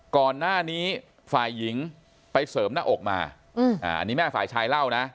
ก่อนหน้านี้ฝ่ายหญิงไปเสริมหน้าอกมาอันนี้แม่ฝ่ายชายเล่านะ